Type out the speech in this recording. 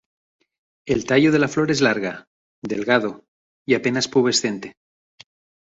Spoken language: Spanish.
El tallo de la flor es larga, delgado y apenas pubescente.